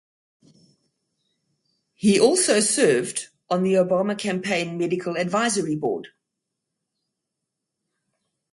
He also served on the Obama campaign Medical Advisory Board.